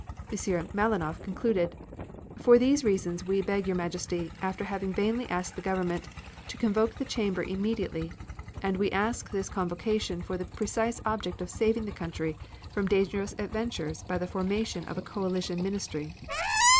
M. Malinoff concluded: "For these reasons we beg your Majesty, after having vainly asked the Government, to convoke the Chamber immediately, and we ask this convocation for the precise object of saving the country from dangerous adventures by the formation of a coalition Ministry."